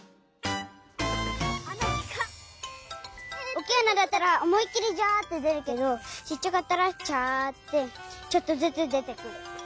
おっきいあなだったらおもいっきりジャってでるけどちっちゃかったらチャってちょっとずつでてくる。